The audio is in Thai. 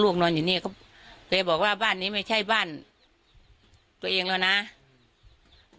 นอนอยู่นี่ก็เลยบอกว่าบ้านนี้ไม่ใช่บ้านตัวเองแล้วนะอืม